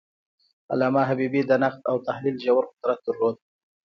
علامه حبیبي د نقد او تحلیل ژور قدرت درلود.